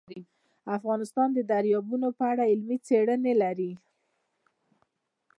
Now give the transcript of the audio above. افغانستان د دریابونه په اړه علمي څېړنې لري.